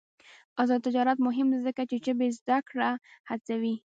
آزاد تجارت مهم دی ځکه چې ژبې زدکړه هڅوي.